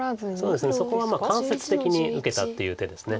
そうですねそこは間接的に受けたっていう手です。